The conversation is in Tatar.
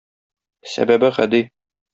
Сәбәбе гади.